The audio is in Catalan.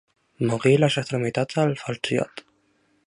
Mogui les extremitats el falziot.